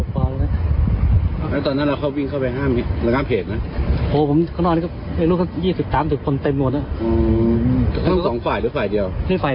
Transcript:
๑ฝ่ายเดียวแล้ว